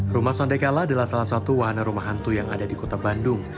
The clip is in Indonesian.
rumah sondekala adalah salah satu wahana rumah hantu yang ada di kota bandung